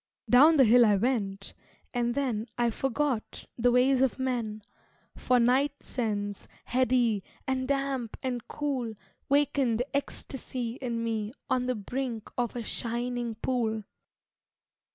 Down the hill I went, and then I forgot the ways of men, For night scents, heady, and damp and cool Wakened ecstasy in me On the brink of a shining pool.